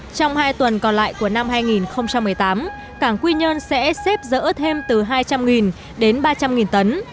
trong hai tuần còn lại của năm hai nghìn một mươi tám cảng quy nhơn sẽ xếp dỡ thêm từ hai trăm linh đến ba trăm linh tấn